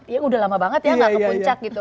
ya udah lama banget ya nggak ke puncak gitu